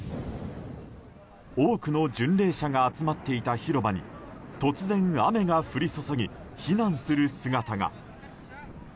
多くの巡礼者が集まっていた広場に突然、雨が降り注ぎ避難する姿が。